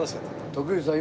徳光さん